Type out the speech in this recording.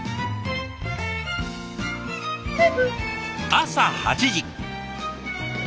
朝８時。